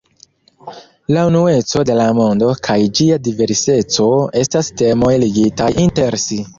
La unueco de la mondo kaj ĝia diverseco estas temoj ligitaj inter si.